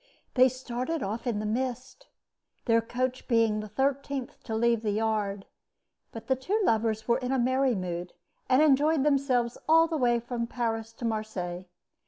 They started off in the mist, their coach being the thirteenth to leave the yard; but the two lovers were in a merry mood, and enjoyed themselves all the way from Paris to Marseilles.